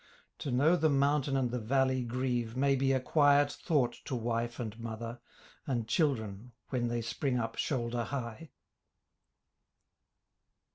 To know the mountain and the valley grieve May be a quiet thought to wife and mother, And children when they spring up shoulder high.